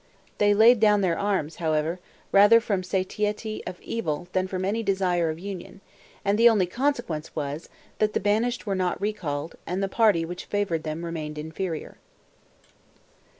They laid down their arms, however, rather from satiety of evil than from any desire of union; and the only consequence was, that the banished were not recalled, and the party which favored them remained inferior.